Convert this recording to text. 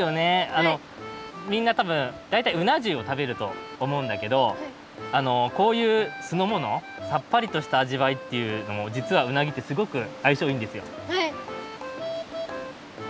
あのみんなたぶんだいたいうなじゅうをたべるとおもうんだけどこういうすのものさっぱりとしたあじわいっていうのもじつはうなぎってすごくあいしょういいんですよ。